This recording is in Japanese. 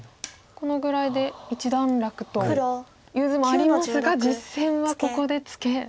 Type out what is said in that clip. このぐらいで一段落という図もありますが実戦はここでツケ。